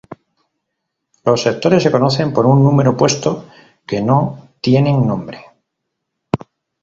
Los sectores se conocen por un número, puesto que no tienen nombre.